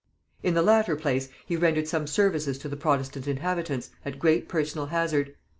At the latter place he rendered some services to the protestant inhabitants at great personal hazard.